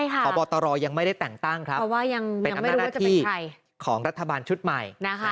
พบตรยังไม่ได้แต่งตั้งครับเป็นอำนาจหน้าที่ของรัฐบาลชุดใหม่